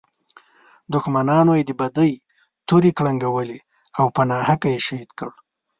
دښمنانو یې د بدۍ تورې پړکولې او په ناحقه یې شهید کړ.